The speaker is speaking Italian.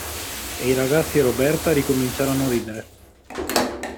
E i ragazzi e Roberta ricominciarono a ridere.